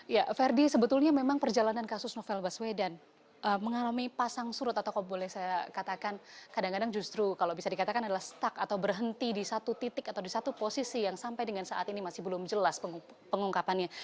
ya ferdi sebetulnya memang perjalanan kasus novel baswedan mengalami pasang surut atau kalau boleh saya katakan kadang kadang justru kalau bisa dikatakan adalah stuck atau berhenti di satu titik atau di satu posisi yang sampai dengan saat ini masih belum jelas pengungkapannya